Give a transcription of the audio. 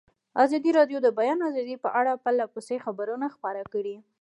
ازادي راډیو د د بیان آزادي په اړه پرله پسې خبرونه خپاره کړي.